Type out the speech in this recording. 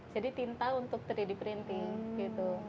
jadi tinta untuk tiga d printing gitu